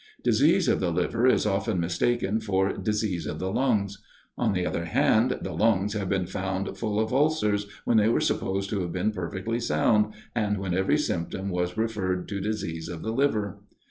Disease of the liver is often mistaken for disease of the lungs: on the other hand, the lungs have been found full of ulcers, when they were supposed to have been perfectly sound, and when every symptom was referred to disease of the liver.